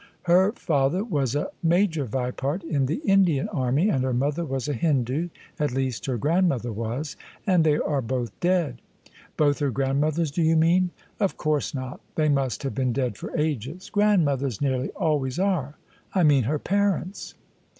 " Her father was a Major Vipart in the Indian Army: and her mother was a Hindoo — ^at least, her grandmother was: and they are both dead." " Both her grandmothers do you mean? " "Of course not: they must have been dead for ages: grandmothers nearly always are, I mean her parents."